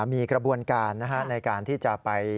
มีกระบวนการในการที่จะไป